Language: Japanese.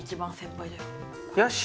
よし！